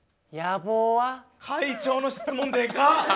会長の質問でかっ！